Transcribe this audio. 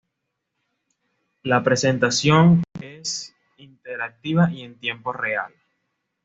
La presentación es interactiva y en tiempo real.